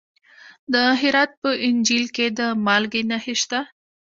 د هرات په انجیل کې د مالګې نښې شته.